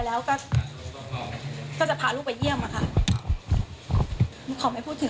แล้วเค้าก็ได้ใช้ชีวิตอยู่กัน